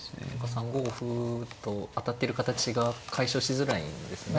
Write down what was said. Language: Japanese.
３五歩と当たってる形が解消しづらいんですね。